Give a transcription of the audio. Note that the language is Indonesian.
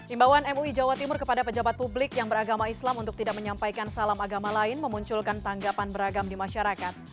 imbauan mui jawa timur kepada pejabat publik yang beragama islam untuk tidak menyampaikan salam agama lain memunculkan tanggapan beragam di masyarakat